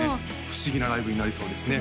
不思議なライブになりそうですね